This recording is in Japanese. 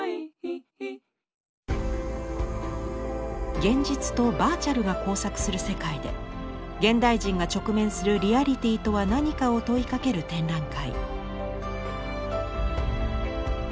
現実とバーチャルが交錯する世界で現代人が直面するリアリティとは何かを問いかける展覧会。